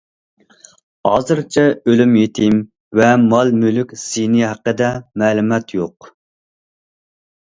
ھازىرچە ئۆلۈم- يېتىم ۋە مال- مۈلۈك زىيىنى ھەققىدە مەلۇمات يوق.